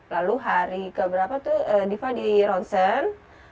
lalu hari keberapa tuh diva di ronsen